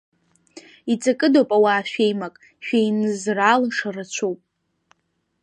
Иҵакыдоуп ауаа шәеимак, Шәеинызраалаша рацәоуп!